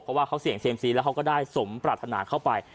เพราะว่าเขาเสี่ยงเซียมซีแล้วเขาก็ได้สมปรารถนาเข้าไป